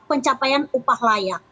pencapaian upah layak